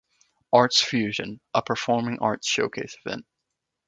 Arts Fusion - A performing arts showcase event.